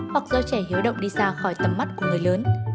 hoặc do trẻ hiếu động đi xa khỏi tầm mắt của người lớn